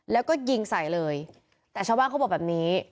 แล้วก็ยิงใส่เลยแต่ชาวบ้านเขาบอกแบบนี้